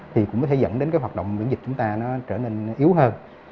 thì cũng có thể dẫn đến hoạt động miễn dịch chúng ta trở nên yếu hơn